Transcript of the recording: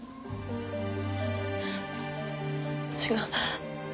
違う。